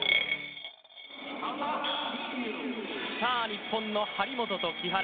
日本の張本と木原。